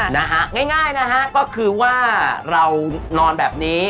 นะฮะง่ายนะฮะก็คือว่าเรานอนแบบนี้